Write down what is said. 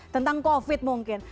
tentang covid mungkin